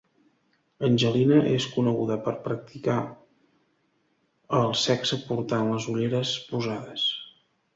Angelina és coneguda per practicar el sexe portant les ulleres posades.